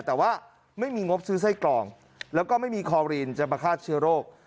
แต่ว่าไม่มีงบซื้อไส้กรองแล้วก็ไม่มีคอรีนจะมาฆ่าเชื้อโรค